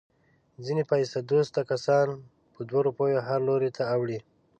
ځنې پیسه دوسته کسان په دوه روپیو هر لوري ته اوړي.